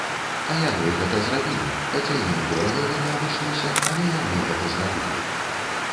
А яны гэта зрабілі, хаця ім дорага гэта абышлося, але яны гэта зрабілі.